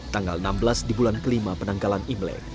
tanggal enam belas di bulan kelima penanggalan imlek